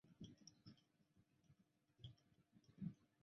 米兰公爵爵位由路易十二继承。